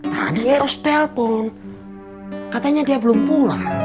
tadi harus telpon katanya dia belum pulang